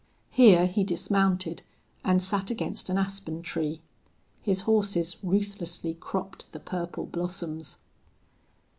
Here he dismounted and sat against an aspen tree. His horses ruthlessly cropped the purple blossoms.